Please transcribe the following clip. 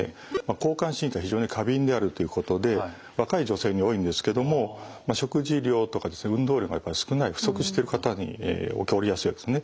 交感神経が非常に過敏であるということで若い女性に多いんですけども食事量とか運動量がやっぱり少ない不足してる方に起こりやすいわけですね。